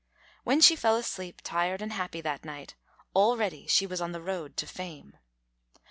When she fell asleep, tired and happy, that night, already she was on the road to fame.